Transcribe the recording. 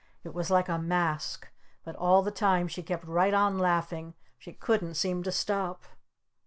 It was like a mask! But all the time she kept right on laughing! She couldn't seem to stop!